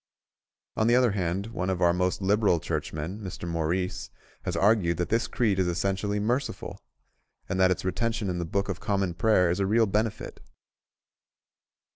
On the other hand one of our most liberal Churchmen, Mr. Maurice, has argued that this creed is essentially merciful, and that its retention in the Book of Common Prayer is a real benefit.